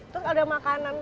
terus ada makanan tertentu gak